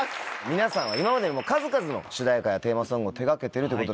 皆さんは今までにも数々の主題歌やテーマソングを手掛けているということで。